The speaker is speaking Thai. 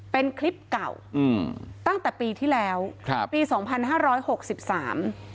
เป็นคลิปเก่าอืมตั้งแต่ปีที่แล้วครับปีสองพันห้าร้อยหกสิบสาม